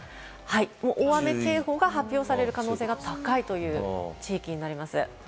大雨警報が発表される可能性が高い地域となります。